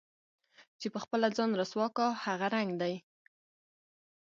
چې په خپله ځان رسوا كا هغه رنګ دے